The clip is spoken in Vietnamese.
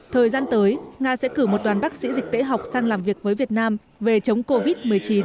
thời gian tới nga sẽ cử một đoàn bác sĩ dịch tễ học sang làm việc với việt nam về chống covid một mươi chín